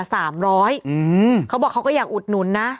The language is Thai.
เขาบอกเขาก็อยากอุดหนุนนะ